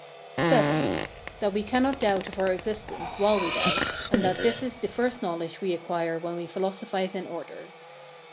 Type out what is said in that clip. VII. That we cannot doubt of our existence while we doubt, and that this is the first knowledge we acquire when we philosophize in order.